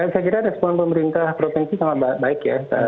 saya kira respon pemerintah provinsi sangat baik ya